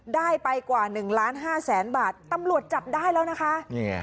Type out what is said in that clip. ได้ไปกว่าหนึ่งล้านห้าแสนบาทตำรวจจับได้แล้วนะคะนี่ไง